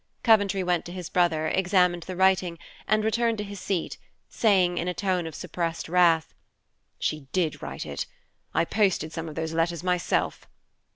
Coventry went to his brother, examined the writing, and returned to his seat, saying, in a tone of suppressed wrath, "She did write it. I posted some of those letters myself.